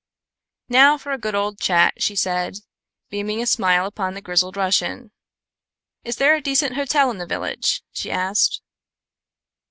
"Now for a good old chat," she said, beaming a smile upon the grizzled Russian. "Is there a decent hotel in the village?" she asked.